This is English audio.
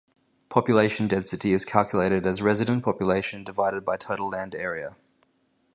Population density is calculated as resident population divided by total land area.